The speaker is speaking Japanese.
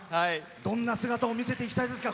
どんな姿を見せていきたいですか？